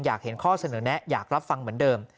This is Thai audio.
อยากเห็นข้อเสนอแนะอยากรับฟังเหมือนเดิม